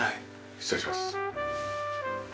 失礼します。